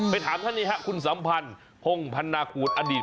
ไปถามท่านเนี่ยค่ะคุณสัมพันธ์พงธนาคูณอดีต